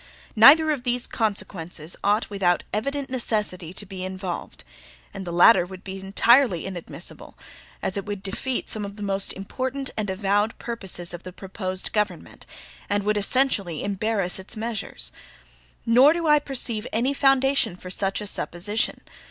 Neither of these consequences ought, without evident necessity, to be involved; the latter would be entirely inadmissible, as it would defeat some of the most important and avowed purposes of the proposed government, and would essentially embarrass its measures. Nor do I perceive any foundation for such a supposition.